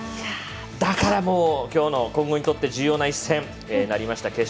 だから今後にとって重要な一戦になりました。